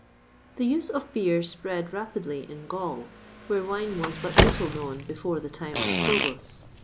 The use of beer spread rapidly in Gaul, where wine was but little known before the time of Probus.